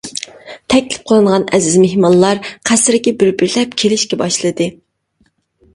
تەكلىپ قىلىنغان ئەزىز مېھمانلار قەسىرگە بىر-بىرلەپ كېلىشكە باشلىدى.